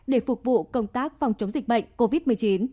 để phục vụ công tác phòng chống dịch bệnh covid một mươi chín